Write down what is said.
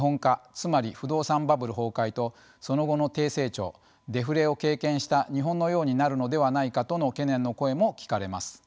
つまり不動産バブル崩壊とその後の低成長デフレを経験した日本のようになるのではないかとの懸念の声も聞かれます。